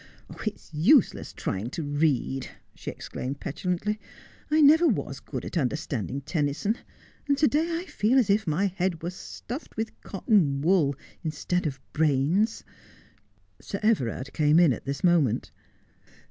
' It's useless trying to read,' she exclaimed petulantly. ' I never was good at understanding Tennyson, and to day I feel as if my head were stuffed with cotton wool instead of brains.' Sir Everard came in at this moment.